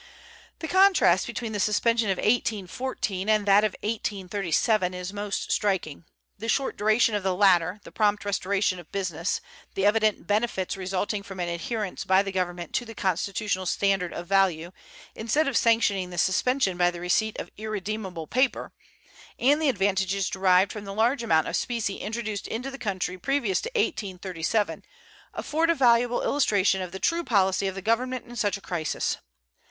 The contrast between the suspension of 1814 and that of 1837 is most striking. The short duration of the latter, the prompt restoration of business, the evident benefits resulting from an adherence by the Government to the constitutional standard of value instead of sanctioning the suspension by the receipt of irredeemable paper, and the advantages derived from the large amount of specie introduced into the country previous to 1837 afford a valuable illustration of the true policy of the Government in such a crisis.